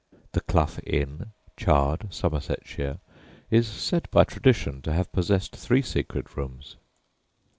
The "Clough Inn," Chard, Somersetshire, is said by tradition to have possessed three secret rooms!